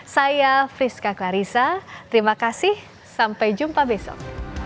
saya friska clarissa terima kasih sampai jumpa besok